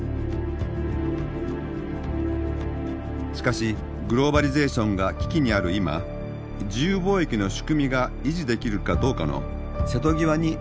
しかしグローバリゼーションが危機にある今自由貿易の仕組みが維持できるかどうかの瀬戸際に立たされています。